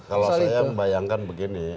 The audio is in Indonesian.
kalau saya bayangkan begini